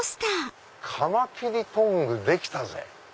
「カマキリトングできたぜ‼」。